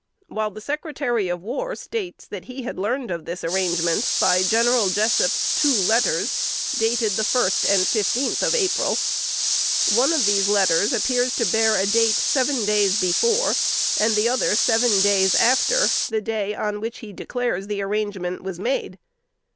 while the Secretary of War states that he had learned of this arrangement by General Jessup's two letters, dated the first and fifteenth of April. One of these letters appears to bear date seven days before, and the other seven days after, the day on which he declares the arrangement was made.